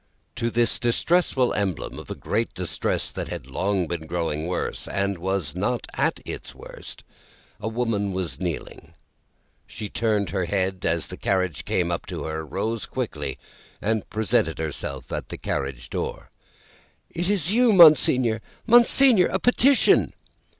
To this distressful emblem of a great distress that had long been growing worse, and was not at its worst, a woman was kneeling. She turned her head as the carriage came up to her, rose quickly, and presented herself at the carriage door. "It is you, Monseigneur! Monseigneur, a petition."